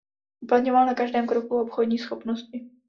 Uplatňoval na každém kroku obchodní schopnosti.